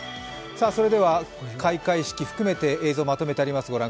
それでは開会式含めて映像をまとめてあります。